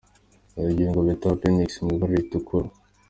Urugingo bita appendix mu ibara ritukura.